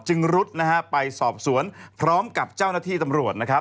จึงรุฑไปสอบสวนพร้อมกับเจ้าหน้าที่สำรวจ